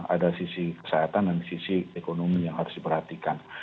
ada sisi kesehatan dan sisi ekonomi yang harus diperhatikan